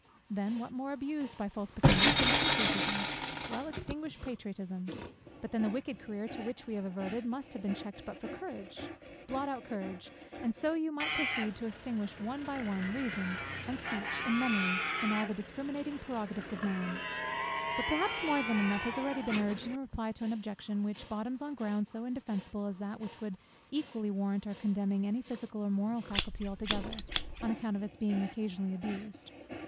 Then what more abused by false pretenders, than Patriotism? Well, extinguish Patriotism. But then the wicked career to which we have adverted, must have been checked but for Courage. Blot out Courage and so might you proceed to extinguish one by one, Reason, and Speech, and Memory, and all the discriminating prerogatives of man. But perhaps more than enough has been already urged in reply to an objection, which bottoms on ground so indefensible, as that which would equally warrant our condemning any physical or moral faculty altogether, on account of its being occasionally abused.